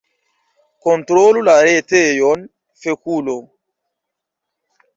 Kontrolu la retejon, fekulo